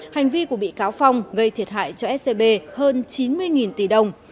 hành vi của bị cáo phong gây thiệt hại cho scb hơn chín mươi tỷ đồng